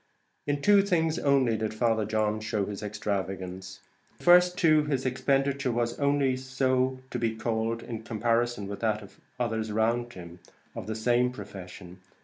In two things only did Father John show his extravagance; in the first, too, his expenditure was only so to be called, in comparison with that of others round him, of the same profession.